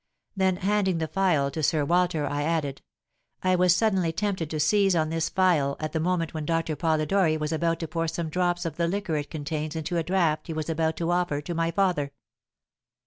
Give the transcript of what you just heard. Then handing the phial to Sir Walter, I added, 'I was suddenly tempted to seize on this phial at the moment when Doctor Polidori was about to pour some drops of the liquor it contains into a draught he was about to offer to my father.'